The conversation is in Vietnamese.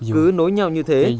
cứ nối nhau như thế